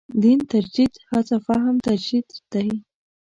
دین تجدید هڅه فهم تجدید دی.